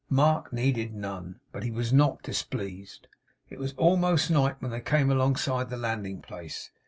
Mark needed none; but he was not displeased. It was almost night when they came alongside the landing place.